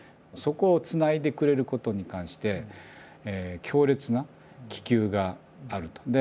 そこを繋いでくれることに関して強烈な希求があると。